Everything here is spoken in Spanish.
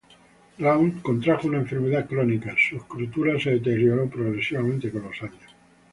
Round contrajo una enfermedad crónica y su escritura se deterioró progresivamente con los años.